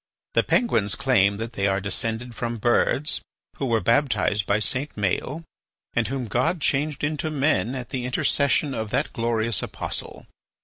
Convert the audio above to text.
The Penguins claim that they are descended from birds who were baptized by St. Maël and whom God changed into men at the intercession of that glorious apostle.